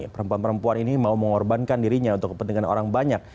perempuan perempuan ini mau mengorbankan dirinya untuk kepentingan orang banyak